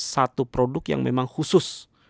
satu produk yang memang khusus